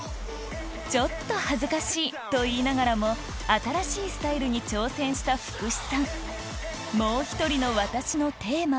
ちょっと恥ずかしいと言いながらも新しいスタイルに挑戦した福士さん